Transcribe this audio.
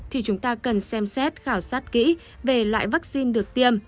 thì chúng ta cần xem xét khảo sát kỹ về loại vaccine được tiêm